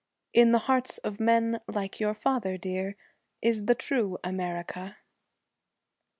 In the hearts of men like your father, dear, is the true America.'